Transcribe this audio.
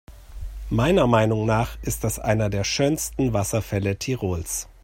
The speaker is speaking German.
Meiner Meinung nach ist das einer der schönsten Wasserfälle Tirols.